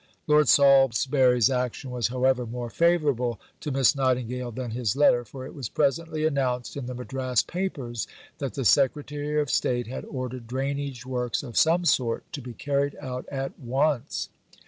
Lord Salisbury's action was, however, more favourable to Miss Nightingale than his letter, for it was presently announced in the Madras papers that the Secretary of State had ordered drainage works of some sort to be carried out at once.